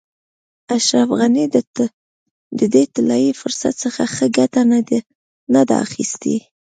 اشرف غني د دې طلایي فرصت څخه ښه ګټه نه ده اخیستې.